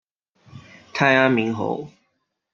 太安明侯